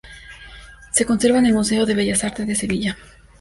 Se conserva en el Museo de Bellas Artes de Sevilla.